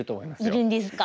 いるんですか。